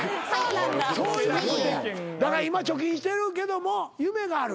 今貯金してるけども夢がある。